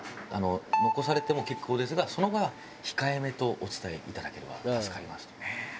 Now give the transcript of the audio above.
「残されても結構ですがその場合は“控えめ”とお伝え頂ければ助かります」と。